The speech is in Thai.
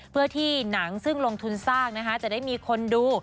เพื่อที่หนังซึ่งลงทุนสร้างนะคะจะได้มีคนดู